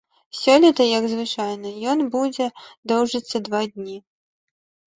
Сёлета, як і звычайна, ён будзе доўжыцца два дні.